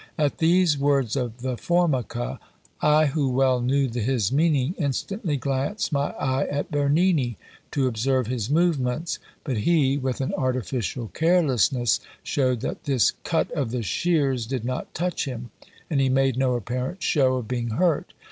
At these words of the Formica, I, who well knew his meaning, instantly glanced my eye at Bernini, to observe his movements; but he, with an artificial carelessness, showed that this 'cut of the shears' did not touch him; and he made no apparent show of being hurt.